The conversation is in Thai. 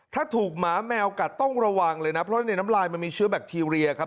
ถ้าถูกหมาแมวกัดต้องระวังเลยนะเพราะในน้ำลายมันมีเชื้อแบคทีเรียครับ